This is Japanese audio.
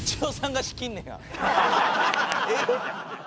えっ？